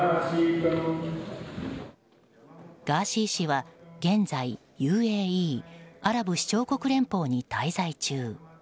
ガーシー氏は現在ＵＡＥ・アラブ首長国連邦に滞在中。